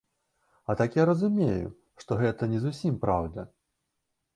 А так я разумею, што гэта не зусім праўда.